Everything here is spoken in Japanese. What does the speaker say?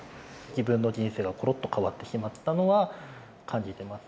自分の人生がころっと変わってしまったのは感じてます。